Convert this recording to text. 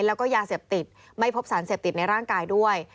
แล้วก็ยาเสพติดไม่พบสารเสพติดในร่างกายด้วย